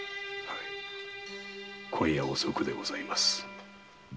今夜遅くでございます。